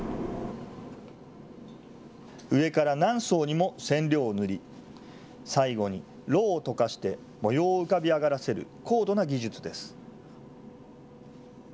上から何層にも染料を塗り、最後にろうを溶かして模様を浮かび上がらせる高度な技術です。